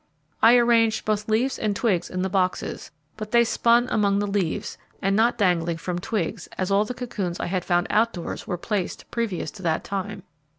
I arranged both leaves and twigs in the boxes, but they spun among the leaves, and not dangling from twigs, as all the cocoons I had found outdoors were placed previous to that time.